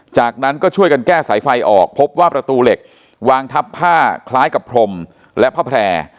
จากนั้นก็ช่วยกันแก้สายไฟออกพบว่าประตูเหล็กวางทับผ้าคล้ายกับพรมและผ้าแพร่